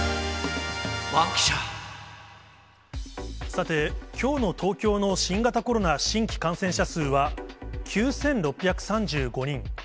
さて、きょうの東京の新型コロナ新規感染者数は、９６３５人。